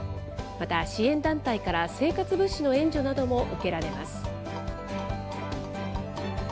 また、支援団体から生活物資の援助なども受けられます。